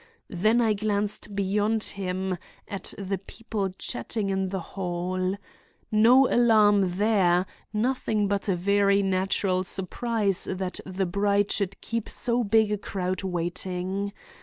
Then I glanced beyond him, at the people chatting in the hall. No alarm there; nothing but a very natural surprise that the bride should keep so big a crowd waiting.